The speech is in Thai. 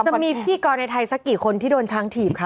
จะมีพิธีกรในไทยสักกี่คนที่โดนช้างถีบคะ